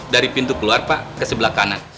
dari pintu keluar pak ke sebelah kanan